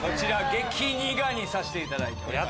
激苦にさせていただいております。